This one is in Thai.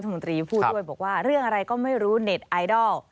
มนตรีพูดด้วยบอกว่าเรื่องอะไรก็ไม่รู้เน็ตไอดอล